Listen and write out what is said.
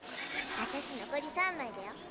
私残り３枚だよ。